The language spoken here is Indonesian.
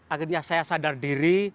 akhirnya saya sadar diri